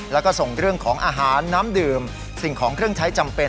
แล้วก็ส่งเรื่องของอาหารน้ำดื่มสิ่งของเครื่องใช้จำเป็น